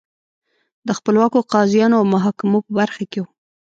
د خپلواکو قاضیانو او محاکمو په برخه کې وو